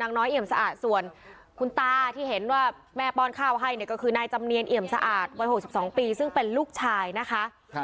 นางน้อยเอี่ยมสะอาดส่วนคุณตาที่เห็นว่าแม่ป้อนข้าวให้เนี่ยก็คือนายจำเนียนเอี่ยมสะอาดวัย๖๒ปีซึ่งเป็นลูกชายนะคะ